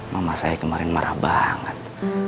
mama saya kemarin marah banget